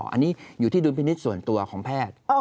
อันนี้อยู่ที่ดุลพินิษฐ์ส่วนตัวของแพทย์